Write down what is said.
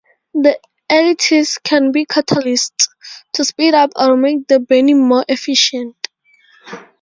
The additives can be catalysts, to speed up or make the burning more efficient.